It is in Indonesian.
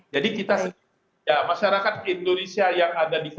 jadi kita ya masyarakat indonesia yang ada di katar ini